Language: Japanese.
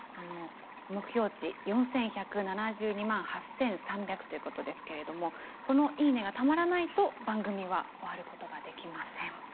目標値４１７２万８３００ということですがこのいいねが、たまらないと番組は終わることができません。